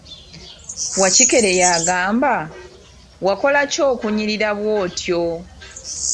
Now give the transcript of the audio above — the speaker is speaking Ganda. Wakikere yagamba, wakola ki okunyirira bw'otyo?